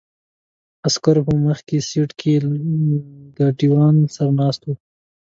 عسکر په مخکې سیټ کې له ګاډیوان سره ناست وو.